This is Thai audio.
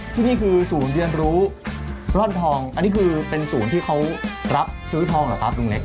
ที่นี่คือศูนย์เรียนรู้ร่อนทองอันนี้คือเป็นศูนย์ที่เขารับซื้อทองเหรอครับลุงเล็ก